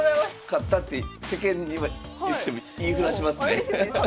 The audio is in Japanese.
「勝った」って世間には言っても言いふらしますね。